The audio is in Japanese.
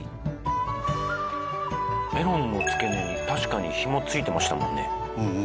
メロンの付け根に確かに紐付いてましたもんね。